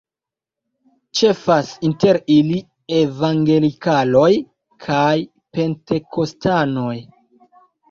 Ĉefas inter ili evangelikaloj kaj pentekostanoj.